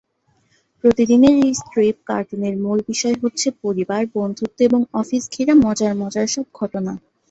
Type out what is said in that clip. প্রতিদিনের এই স্ট্রিপ কার্টুনের মূল বিষয় হচ্ছে পরিবার, বন্ধুত্ব এবং অফিস ঘিরে মজার মজার সব ঘটনা।